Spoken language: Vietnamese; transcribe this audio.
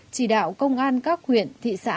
chỉ đạo công an các huyện thị xã